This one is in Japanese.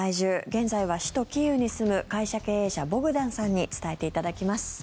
現在は首都キーウに住む会社経営者、ボグダンさんに伝えていただきます。